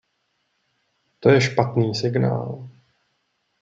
To je špatný signál.